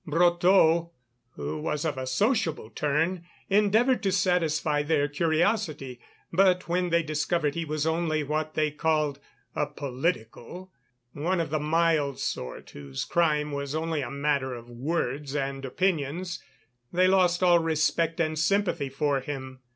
Brotteaux, who was of a sociable turn, endeavoured to satisfy their curiosity; but when they discovered he was only what they called "a political," one of the mild sort whose crime was only a matter of words and opinions, they lost all respect and sympathy for him.